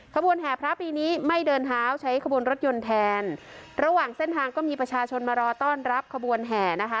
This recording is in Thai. ขบวนแห่พระปีนี้ไม่เดินเท้าใช้ขบวนรถยนต์แทนระหว่างเส้นทางก็มีประชาชนมารอต้อนรับขบวนแห่นะคะ